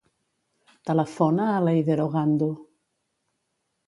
Telefona a l'Eider Ogando.